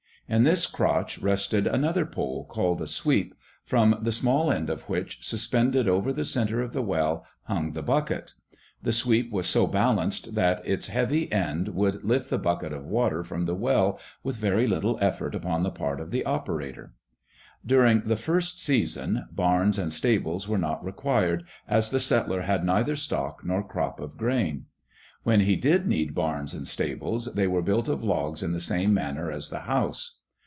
In this crotch rested another pole, called a "sweep", from the small end of which, suspended over the centre of the well, hung the bucket. The sweep was so balanced that its heavy end would lift the bucket of water from the well with very little effort upon the part of the operator. During the first season, barns and stables were not required, as the settler had neither stock nor crop of grain. When he did need barns and stables, they were built of logs in the same manner as the house.